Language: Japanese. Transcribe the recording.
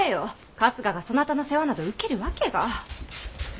春日がそなたの世話など受けるわけが。